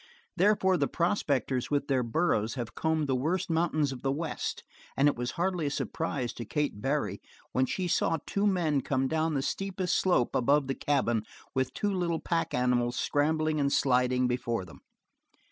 Therefore the prospectors with their burros have combed the worst mountains of the West and it was hardly a surprise to Kate Barry when she saw two men come down the steepest slope above the cabin with two little pack animals scrambling and sliding before them.